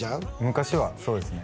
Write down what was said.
昔はそうですね